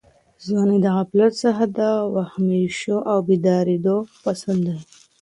ځواني د غفلت څخه د وهمېشهو او بېدارېدو فصل دی.